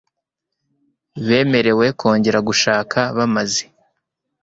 bemerewe kongera gushaka bamaze